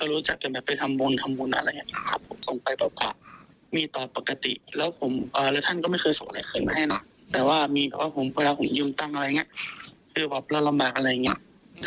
และทีนี้ผมก็ร่วมลมเงินสักพับนึงก็ไม่หนาวค่ะต่อเอาไปคืน